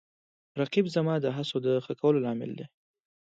رقیب زما د هڅو د ښه کولو لامل دی